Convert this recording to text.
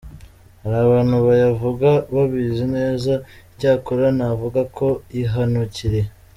Hari abantu bayavuga babizi neza, icyakora navuga ko yihanukiriye.